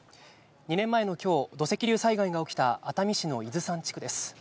２年前のきょう、土石流災害が起きた熱海市の伊豆山地区です。